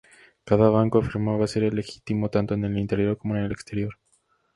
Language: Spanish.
Cada banco afirmaba ser el legítimo, tanto en el interior como en el exterior.